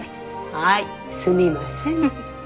はいすみません。